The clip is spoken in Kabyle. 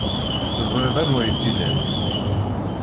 Teẓriḍ anwa ay tt-ilan.